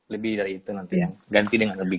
lebih dari itu nanti yang ganti dengan lebih